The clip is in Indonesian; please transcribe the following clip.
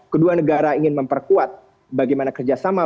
kedua negara ingin memperkuat bagaimana kerjasama